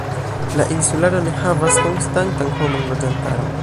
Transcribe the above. La insularo ne havas konstantan homan loĝantaron.